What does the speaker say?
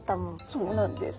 そうなんです。